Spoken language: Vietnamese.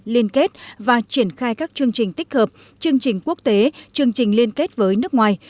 liên kết và triển khai các chương trình tích hợp chương trình quốc tế chương trình liên kết với nước ngoài